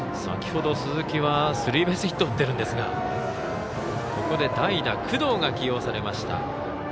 先ほど鈴木はスリーベースヒット打っていますがここで代打工藤が起用されました。